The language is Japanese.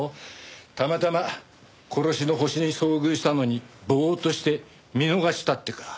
たまたま殺しのホシに遭遇したのにぼーっとして見逃したってか。